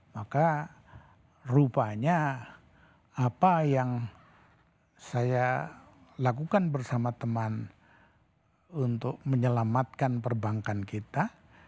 maka rupanya apa yang saya lakukan bersama teman untuk menyelamatkan perbankan kita